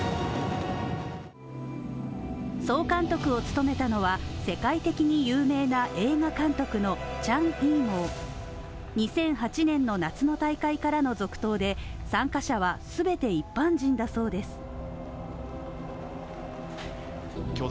総監督を務めたのは世界的に有名な映画監督のチャン・イーモウ２００８年の夏の大会からの続投で参加者は、全て一般人だそうです。